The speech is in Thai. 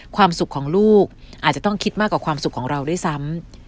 ความสุขของลูกอาจจะต้องคิดมากกว่าความสุขของเราด้วยซ้ำ